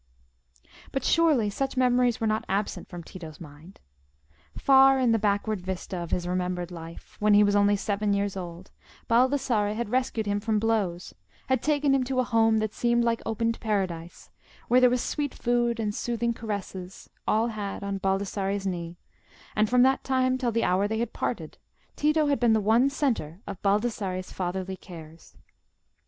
But surely such memories were not absent from Tito's mind? Far in the backward vista of his remembered life, when he was only seven years old, Baldassarre had rescued him from blows, had taken him to a home that seemed like opened paradise, where there was sweet food and soothing caresses, all had on Baldassarre's knee; and from that time till the hour they had parted, Tito had been the one centre of Baldassarre's fatherly cares.